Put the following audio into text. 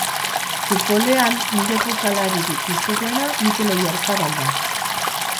futbolean nire jokalarik gustukoena Mikel Oyarzabal da.